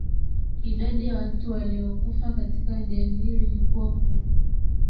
idadi ya watu waliyokufa katika ajali hiyo ilikuwa kubwa